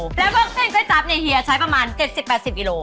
แล้วก็เส้นก๋วตั๊บเนี่ยเฮียใช้ประมาณ๗๐๘๐กิโล